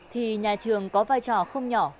thì nhà trường có vai trò không nhỏ